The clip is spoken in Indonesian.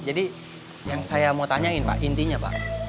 yang saya mau tanyain pak intinya pak